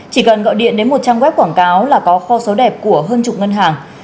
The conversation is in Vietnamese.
chỉ cần gọi điện đến một trang web quảng cáo là có kho số đẹp của hơn chục ngân hàng